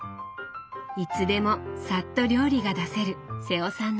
いつでもさっと料理が出せる瀬尾さんの知恵。